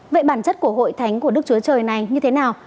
vậy bản chất của hội thánh của đức chúa trời này như thế nào